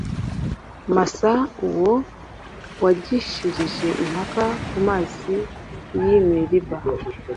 masa uwo wagishirije impaka ku mazi y i meriba